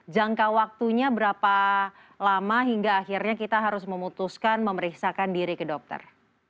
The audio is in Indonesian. jangka waktunya berapa lama hingga akhirnya kita harus memutuskan memeriksakan diri ke dokter